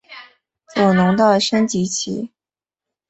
左龙的升级棋。